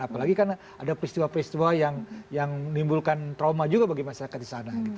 apalagi karena ada peristiwa peristiwa yang menimbulkan trauma juga bagi masyarakat di sana